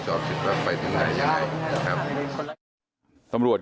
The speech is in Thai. ท่องคว่าจะถึงไหนยังไง